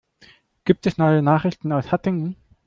Gibt es neue Nachrichten aus Hattingen?